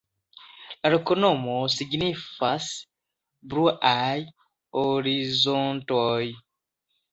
La loknomo signifas: bluaj horizontoj.